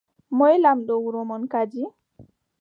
Moy lamɗo wuro mon kadi ?